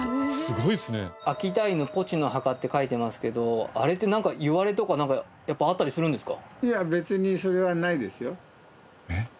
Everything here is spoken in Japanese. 「秋田犬ポチ之墓」って書いてますけどあれっていわれとかなんかやっぱあったりするんですか？